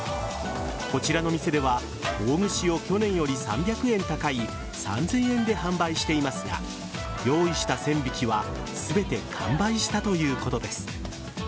こちらの店では大串を去年より３００円高い３０００円で販売していますが用意した１０００匹は全て完売したということです。